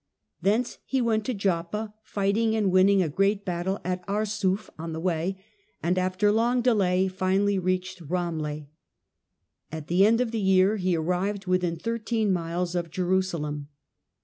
Thence he went to Joppa, fighting and winning a great battle at Arsouf on the way, and after long delay finally reached Ramleh. At the end of the year he arrived within thirteen miles of Jerusalem.